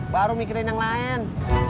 baru mikirin yang lain